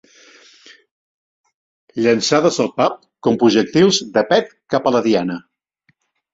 Llançades al pub com projectils de pet cap a la diana.